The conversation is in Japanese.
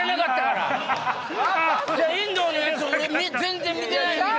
遠藤のやつを全然見てないねん。